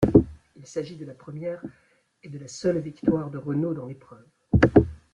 Il s'agit de la première et de la seule victoire de Renault dans l'épreuve.